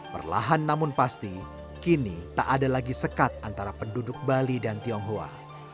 perlahan namun pasti kini tak ada lagi sekat antara penduduk bali dan tionghoa